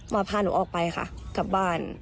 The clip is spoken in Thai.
มาพาให้กลับบ้าน